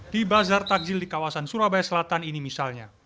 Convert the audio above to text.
di bazar takjil di kawasan surabaya selatan ini misalnya